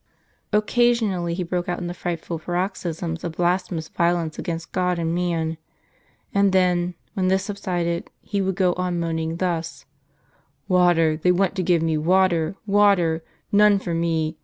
Occasionally he broke out into frightful paroxysms of blasphemous violence against God and man. And then, when this subsided, he would go on moaning thus ; "Water they want to give me! water! water! none for me!